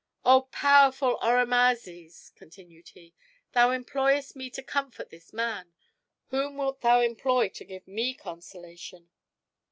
"Oh, powerful Oromazes!" continued he, "thou employest me to comfort this man; whom wilt thou employ to give me consolation?"